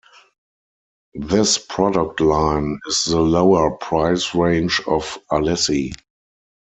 This product line is the lower price range of Alessi.